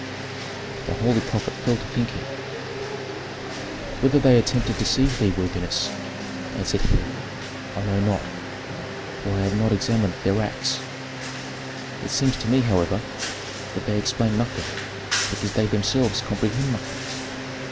The holy prophet fell to thinking. "Whether they attempt to deceive thee, worthiness," answered he, "I know not, for I have not examined their acts. It seems to me, however, that they explain nothing, because they themselves comprehend nothing.